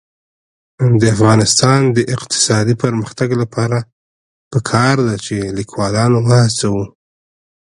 د افغانستان د اقتصادي پرمختګ لپاره پکار ده چې لیکوالان وهڅوو.